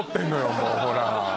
もうほら。